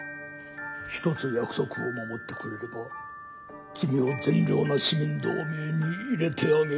一つ約束を守ってくれれば君を善良な市民同盟に入れてあげよう。